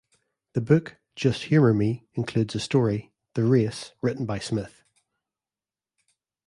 The book "Just Humor Me" includes a story, "The Race", written by Smith.